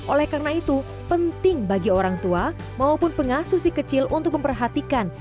oleh karena itu penting bagi orang tua maupun pengasuh si kecil untuk memperhatikan